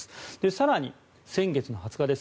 更に、先月の２０日です。